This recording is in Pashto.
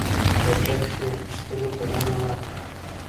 د برخي اخیستلو بلنه ورکړه.